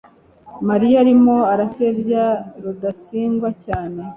mariya arimo arasebya rudasingwa cyane